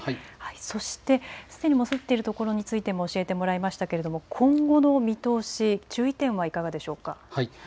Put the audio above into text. そして、すでに降っている所についても教えていただきましたが今後の見通し、注意点はいかがでしょうか。